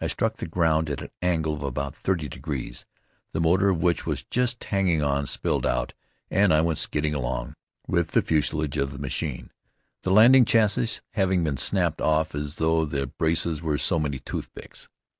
I struck the ground at an angle of about 30 degrees, the motor, which was just hanging on, spilled out, and I went skidding along, with the fuselage of the machine, the landing chassis having been snapped off as though the braces were so many toothpicks.